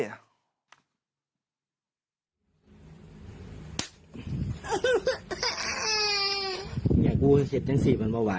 ส่งง้อเมียด้วยวิธีนี้หรอพี่